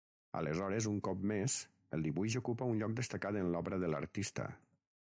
Aleshores, un cop més, el dibuix ocupa un lloc destacat en l'obra de l'artista.